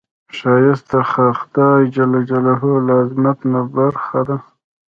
ښایست د خدای له عظمت نه برخه ده